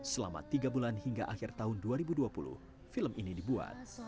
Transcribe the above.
selama tiga bulan hingga akhir tahun dua ribu dua puluh film ini dibuat